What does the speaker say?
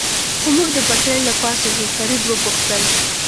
خو موږ د پټلۍ له پاسه ځو، فرید و پوښتل.